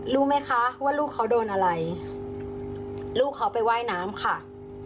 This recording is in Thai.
รู้ไหมคะว่าลูกเขาโดนอะไรลูกเขาไปว่ายน้ำค่ะ